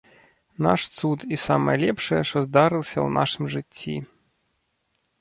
Наш цуд і самае лепшае, што здарылася ў нашым жыцці.